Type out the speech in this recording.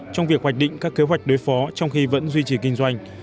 trong việc hoạch định các kế hoạch đối phó trong khi vẫn duy trì kinh doanh